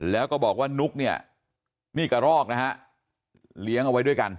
แล้วก็บอกว่านุ๊กเนี่ยนี่กระรอกนะฮะเลี้ยงเอาไว้ด้วยกัน